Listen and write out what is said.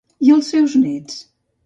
I els seus nets?